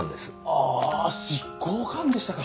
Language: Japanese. ああ執行官でしたか。